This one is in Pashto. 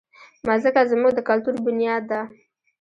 مځکه زموږ د کلتور بنیاد ده.